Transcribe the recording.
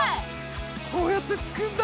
こうやってつくんだ。